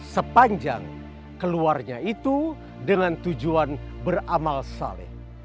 sepanjang keluarnya itu dengan tujuan beramal saleh